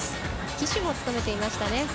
旗手も努めていました。